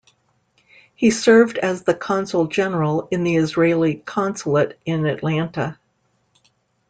He served as the Consul General in the Israeli Consulate in Atlanta.